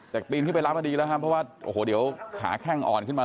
แต่ปีนขึ้นไปรับพอดีแล้วครับเพราะว่าโอ้โหเดี๋ยวขาแข้งอ่อนขึ้นมา